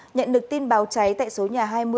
nhận được tin báo cháy tại số nhà hai mươi